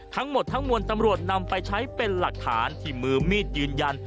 ทั้งหมดทั้งมวลตำรวจนำไปใช้เป็นหลักฐานที่มือมีดยืนยัน